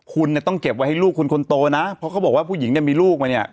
คุณเนี่ยต้องเก็บไว้ให้ลูกคุณคนโตนะเพราะเขาบอกว่าผู้หญิงเนี่ยมีลูกมาเนี่ย